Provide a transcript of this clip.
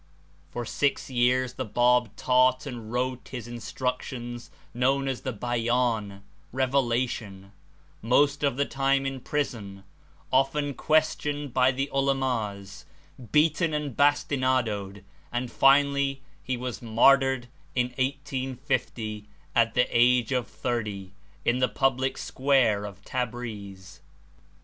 For six years the Bab taught and wrote his instruc tions, known as the Beyan (Revelation), most of the time in prison, often "questioned" by the Ulamas, beaten and bastinadoed, and finally he was martyred in 1850, at the age of 30, in the public square of Tabriz.